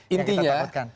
yang kita tahukan